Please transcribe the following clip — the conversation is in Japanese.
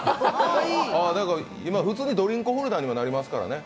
今、普通にドリンクホルダーにもなりますからね。